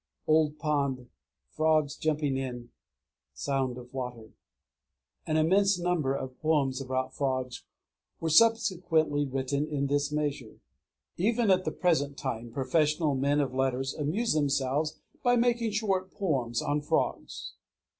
("Old pond frogs jumping in sound of water.") An immense number of poems about frogs were subsequently written in this measure. Even at the present time professional men of letters amuse themselves by making short poems on frogs.